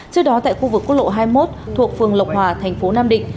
trước đó tại khu vực quốc lộ hai mươi một thuộc phường lộc hòa thành phố nam định